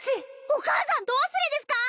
お母さんど忘れですか！？